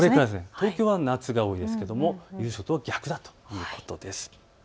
東京は夏は多いんですけれども伊豆諸島は逆だということです。